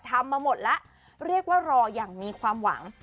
ทำมาหมดแล้วเรียกว่ารออย่างมีความหวัง